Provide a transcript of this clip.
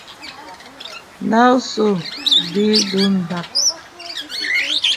Now so day don dak.